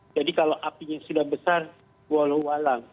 jadi kalau apinya sudah besar wala wala